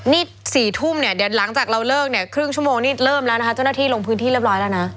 นี่๔ทุ่มหลังจากเราเลิกครึ่งชั่วโมงเริ่มแล้วนะคะเจ้าหน้าที่ลงพื้นที่เรียบร้อยแล้วนะ